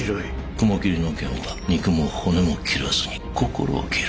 雲霧の剣は肉も骨も斬らずに心を斬る。